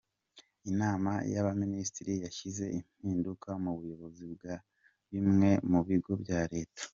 Inama y’Abaminisitiri yashyize impinduka mu buyobozi bwa bimwe mu bigo bya Leta.